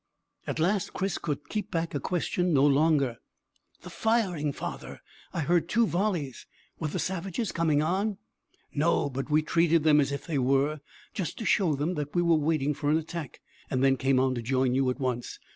At last Chris could keep back a question no longer. "The firing, father I heard two volleys. Were the savages coming on?" "No, but we treated them as if they were, just to show them that we were waiting for an attack, and then came on to join you at once.